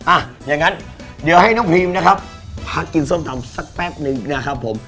อ่ะอย่างนั้นเดี๋ยวให้น้องพรีมนะครับพักกินส้มตำสักแป๊บนึงนะครับผม